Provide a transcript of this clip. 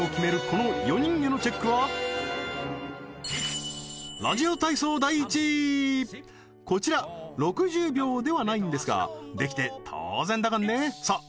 この４人へのチェックはこちら６０秒ではないんですができて当然だかんねさあ